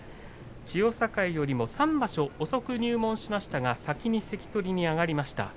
千代栄よりも３場所遅く入門しましたが先に関取に上がりました。